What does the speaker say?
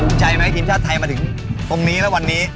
ภูมิใจไหมทีมชาติไทยมาถึงตรงนี้แล้ววันนี้